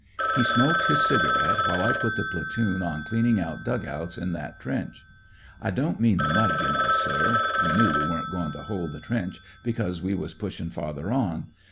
He smoked his cigarette, while I put the Platoon on cleaning out dug outs in that trench. I don't mean the mud, you know, sir. We knew we weren't gom' to hold the trench, became we was pushin' farther on.